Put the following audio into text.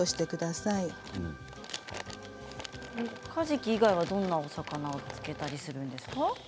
ここでかじき以外はどんなお魚を漬けたりするんですか。